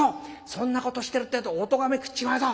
そんなことしてるってえとおとがめ食っちまうぞ。